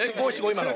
今の。